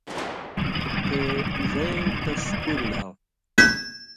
تے زَیں تس کُوری دھاؤ۔